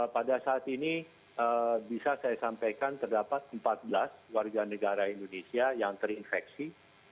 pada saat ini bisa saya sampaikan terdapat empat belas warga negara indonesia yang terinfeksi